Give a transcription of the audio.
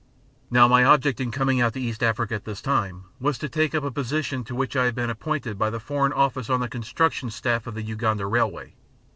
Now, my object in coming out to East Africa at this time was to take up a position to which I had been appointed by the Foreign Office on the construction staff of the Uganda Railway.